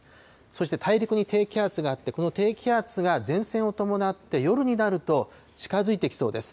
そして大陸に低気圧があって、この低気圧が前線を伴って、夜になると、近づいてきそうです。